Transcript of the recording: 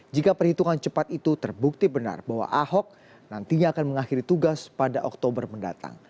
jika perhitungan cepat itu terbukti benar bahwa ahok nantinya akan mengakhiri tugas pada oktober mendatang